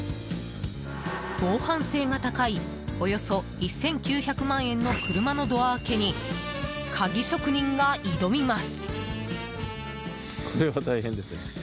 防犯性が高いおよそ１９００万円の車のドア開けに鍵職人が挑みます。